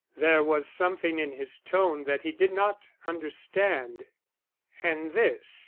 There was something in his tone that he did not understand. "And this?"